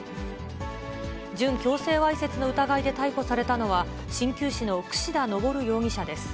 準強制わいせつの疑いで逮捕されたのは、しんきゅう師の櫛田昇容疑者です。